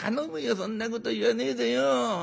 そんなこと言わねえでよ。